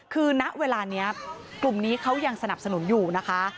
คือณเวลานี้กลุ่มนี้เขายังสนับสนุนอยู่นะคะ